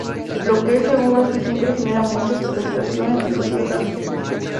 Lo que es seguro es que siempre genera mucha expectación entre los ciudadanos.